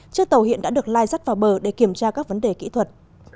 chiếc tàu hiện đã được lai rắt vào bờ để kiểm tra các vấn đề kỹ thuật